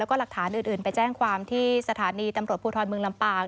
แล้วก็หลักฐานอื่นไปแจ้งความที่สถานีตำรวจภูทรเมืองลำปาง